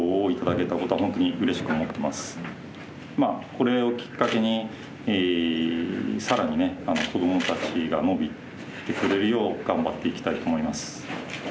これをきっかけに更にね子どもたちが伸びてくれるよう頑張っていきたいと思います。